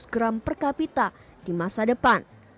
enam ratus gram per kapita di masa depan